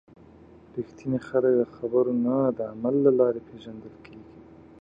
رښتیني خلک د خبرو نه، د عمل له لارې پیژندل کېږي.